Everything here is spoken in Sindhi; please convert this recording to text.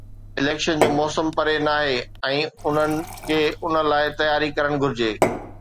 اليڪشن جو موسم پري ناهي ۽ انهن کي ان لاءِ تياري ڪرڻ گهرجي.